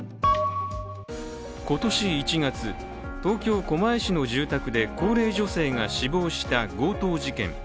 今年１月、東京・狛江市の住宅で高齢女性が死亡した強盗事件。